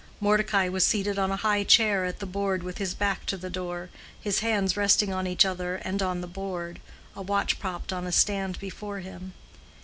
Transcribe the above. Mordecai was seated on a high chair at the board with his back to the door, his hands resting on each other and on the board, a watch propped on a stand before him.